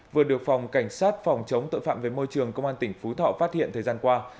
vừa được phòng cảnh sát phòng chống tội phạm về môi trường công an tỉnh phú thọ phát hiện thời gian qua